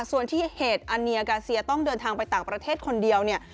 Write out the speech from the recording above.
ส่วนที่เหตุอันเนียกาเซียต้องเดินทางไปต่างประเทศคนเดียวเนี่ย